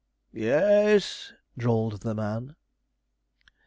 'Y e a z,' drawled the man.